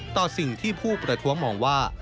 ต่อสิ่งที่ผู้ประท้วงมองว่า